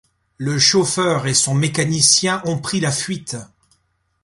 Le chauffeur et son mécanicien ont pris la fuite.